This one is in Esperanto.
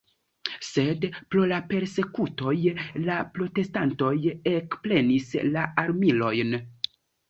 Sed, pro la persekutoj, la protestantoj ekprenis la armilojn.